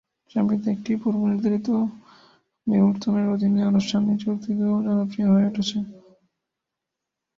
সম্প্রতি এটি পূর্বনির্ধারিত বিমূর্তনের অধীনে আনুষ্ঠানিক যুক্তিতেও জনপ্রিয় হয়ে উঠেছে।